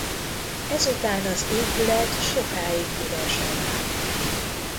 Ezután az épület sokáig üresen állt.